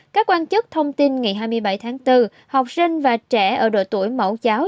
các quan chức thông tin ngày hai mươi bảy tháng bốn học sinh và trẻ ở độ tuổi mẫu giáo